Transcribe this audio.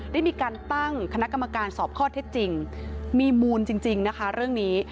ได้มีการตั้งคณะกรรมการสอบข้อเท็จจริงมีมูลจริงนะคะเรื่องนี้